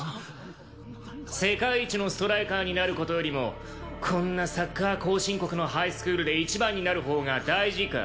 世界一のストライカーになる事よりもこんなサッカー後進国のハイスクールで一番になるほうが大事か？